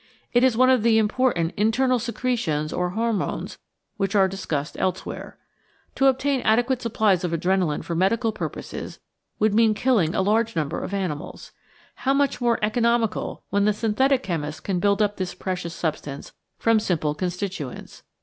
It is one of the important "internal secretions" or hormones which are discussed elsewhere. To obtain adequate supplies of adrenalin for medical purposes would mean killing a large number of animals. How much more economical when the synthetic chemist can build up this precious substance from simple constituents!